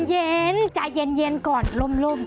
ใจเย็นก่อนลม